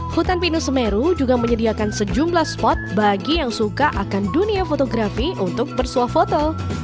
hutan pinus semeru juga menyediakan sejumlah spot bagi yang suka akan dunia fotografi untuk bersuah foto